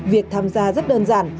việc tham gia rất đơn giản